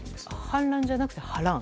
反乱じゃなくて波乱？